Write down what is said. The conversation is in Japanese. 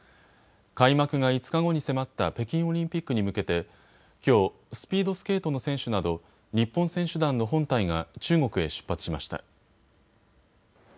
開幕が５日後に迫った北京オリンピックに向けてきょうスピードスケートの選手など日本選手団の本隊が中国へ出発しました。